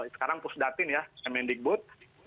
sekarang pusdatin ya mn digbud